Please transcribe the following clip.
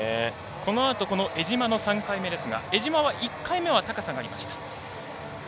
このあと江島の３回目ですが江島は１回目は高さがありました。